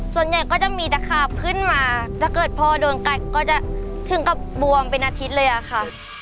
ส่วนใหญ่ก็จะมีตะขาบขึ้นมาถ้าเกิดพ่อโดนกัดก็จะถึงกับบวมเป็นอาทิตย์เลยอะค่ะ